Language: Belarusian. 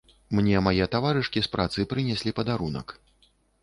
Мне мае таварышкі з працы прынеслі падарунак.